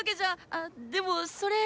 あでもそれ。